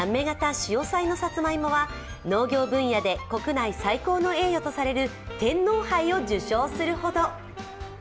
しおさいのさつまいもは農業分野で国内最高の栄誉とされる天皇杯を受賞するほど。